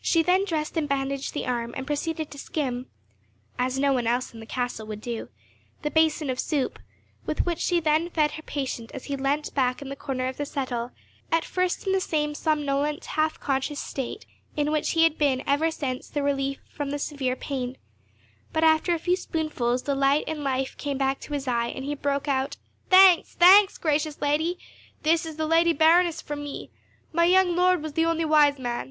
She then dressed and bandaged the arm, and proceeded to skim—as no one else in the castle would do—the basin of soup, with which she then fed her patient as he leant back in the corner of the settle, at first in the same somnolent, half conscious state in which he had been ever since the relief from the severe pain; but after a few spoonfuls the light and life came back to his eye, and he broke out, "Thanks, thanks, gracious lady! This is the Lady Baroness for me! My young lord was the only wise man!